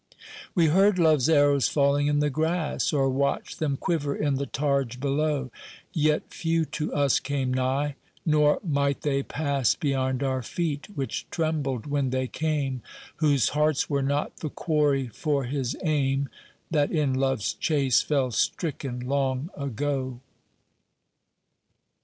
We heard Love's arrows falling in the grass, Or watched them quiver in the targe below; Yet few to us came nigh, nor might they pass Beyond our feet, which trembled when they came, Whose hearts were not the quarry for his aim, That in Love's chase fell stricken long ago.